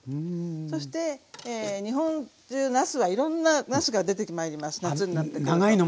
そしてえ日本中なすはいろんななすが出てまいります夏になってくると。